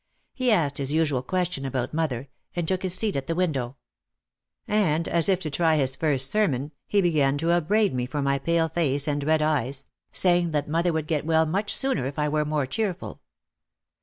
He asked his usual question about mother, and took his seat at the window. And, as if to try his first sermon he began to upbraid me for my pale face and red eyes, saying that mother would get well much sooner if I were more cheerful.